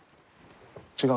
違う。